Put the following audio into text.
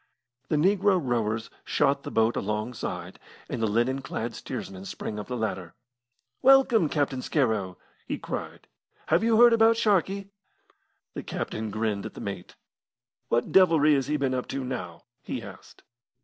The negro rowers shot the boat alongside, and the linen clad steersman sprang up the ladder. "Welcome, Captain Scarrow!" he cried. "Have you heard about Sharkey?" The captain grinned at the mate. "What devilry has he been up to now?" he asked.